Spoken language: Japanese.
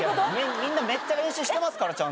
みんなめっちゃ練習してますからちゃんと。